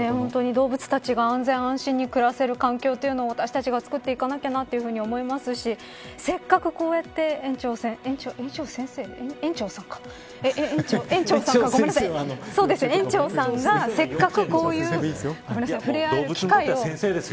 動物たちが安全安心に暮らせる環境というのを私たちが作っていかなきゃと思いますしせっかく、こうやって縁長さんが触れ合える機会を。